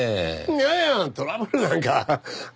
いやいやトラブルなんか。